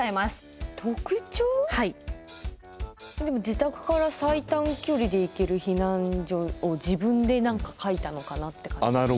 でも自宅から最短距離で行ける避難所を自分で何か書いたのかなって。